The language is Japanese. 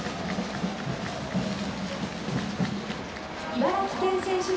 茨城県選手団。